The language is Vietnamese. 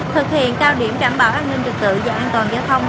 thực hiện cao điểm đảm bảo an ninh trực tự và an toàn giao thông